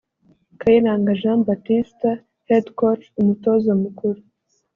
Kayiranga Jean Baptista (Head Coach/Umutoza mukuru)